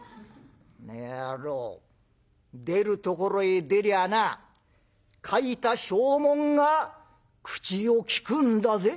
「コノヤロー出るところへ出りゃあな書いた証文が口を利くんだぜ」。